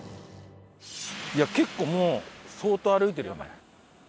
いや結構もう相当歩いてるよね。